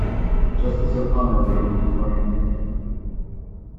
Justice O'Connor wrote a concurring opinion.